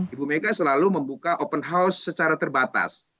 ibu mega selalu membuka open house secara terbatas